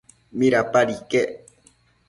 ¿midapad iquec?